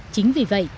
chính vì vậy